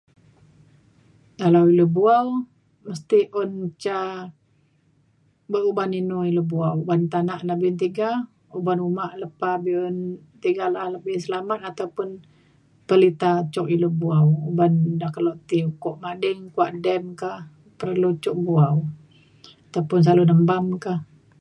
dalau ilu bu'au mesti un ca be uban inu ilu bu'au. uban tanak na be'un tiga uban uma lepa be'un tiga la'ap ia' selamat ataupun pelita cuk ilu bu'au uban ida kelo ti ukok mading kuak dam kah perlu cuk bu'au taupun salu nembam kah